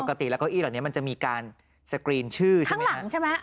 ปกติแล้วเก้าอี้เหล่านี้มันจะมีการสกรีนชื่อใช่ไหมคะ